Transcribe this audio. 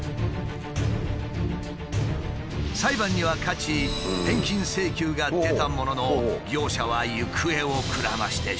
裁判には勝ち返金請求が出たものの業者は行方をくらましてしまった。